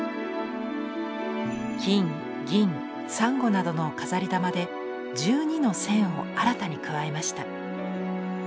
金銀珊瑚などの飾玉で１２の線を新たに加えました。